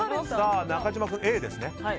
中島君、Ａですね。